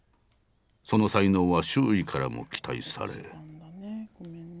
その才能は周囲からも期待され。